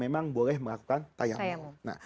memang boleh melakukan tayamu